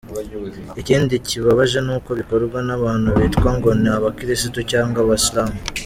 Ikindi kibabaje, nuko bikorwa n’abantu bitwa ngo ni abakristu cyangwa abaslamu.